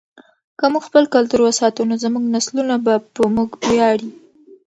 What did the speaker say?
که موږ خپل کلتور وساتو نو زموږ نسلونه به په موږ ویاړي.